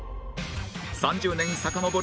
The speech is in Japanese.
３０年さかのぼる